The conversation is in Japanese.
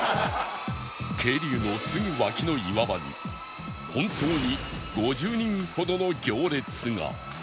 渓流のすぐ脇の岩場に本当に５０人ほどの行列が